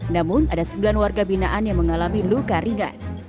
namun ada sembilan warga binaan yang mengalami luka ringan